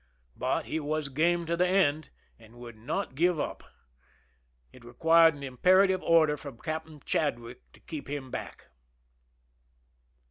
j But he was game to the end, and would not give \ up. It required an imperative order from Captain ! Chadwick to keep him back.